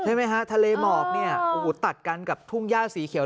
ได้ไหมฮะทะเลหมอบนี่ตัดกันกับทุ่งย่าสีเขียว